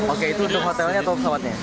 oke itu untuk hotelnya atau pesawatnya